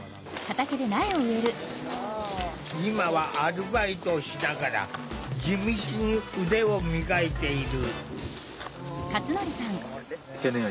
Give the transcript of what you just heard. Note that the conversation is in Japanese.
今はアルバイトをしながら地道に腕を磨いている。